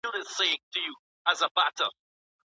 ولي کوښښ کوونکی د مخکښ سړي په پرتله ډېر مخکي ځي؟